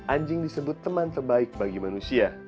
anjing disebut teman terbaik bagi manusia